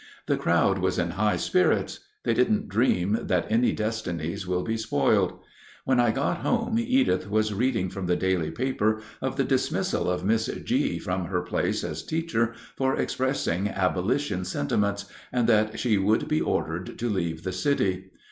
The crowd was in high spirits; they don't dream that any destinies will be spoiled. When I got home Edith was reading from the daily paper of the dismissal of Miss G. from her place as teacher for expressing abolition sentiments, and that she would be ordered to leave the city.